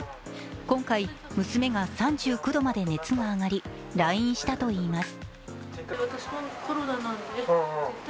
今回、娘が３９度まで熱が上がり来院したといいます。